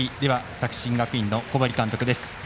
作新学院の小針監督です。